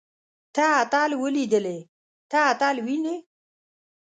تۀ اتل وليدلې. ته اتل وينې؟